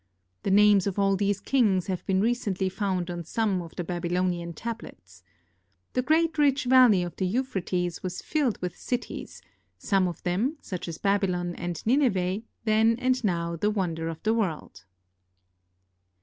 The names of all these kings have been recently found on some of the Babylonian tablets. The great rich valley of the Euphrates was filled witii cities, some of them, such as Babylon and Nine veh, then and now the wonder of the world.